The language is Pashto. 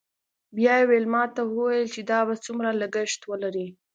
بیا یې ویلما ته وویل چې دا به څومره لګښت ولري